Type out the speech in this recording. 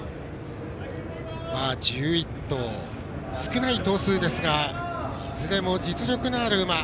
１１頭、少ない頭数ですがいずれも実力のある馬。